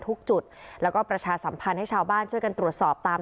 ทุกจุดแล้วก็ประชาสัมพันธ์ให้ชาวบ้านช่วยกันตรวจสอบตาม